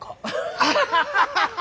アハハハハ！